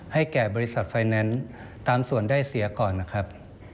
แก่บริษัทไฟแนนซ์ตามส่วนได้เสียก่อนนะครับ